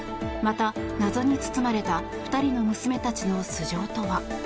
また、謎に包まれた２人の娘たちの素性とは。